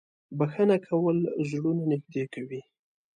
• بښنه کول زړونه نږدې کوي.